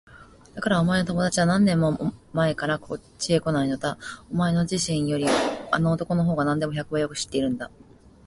だからお前の友だちは何年も前からこっちへこないのだ。お前自身よりあの男のほうがなんでも百倍もよく知っているんだ。